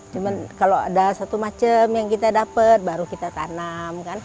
cuman kalau ada satu macem yang kita dapat baru kita tanam kan